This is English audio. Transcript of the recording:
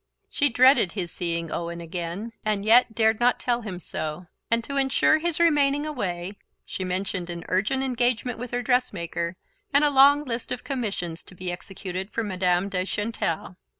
She dreaded his seeing Owen again, and yet dared not tell him so, and to ensure his remaining away she mentioned an urgent engagement with her dress maker and a long list of commissions to be executed for Madame de Chantelle.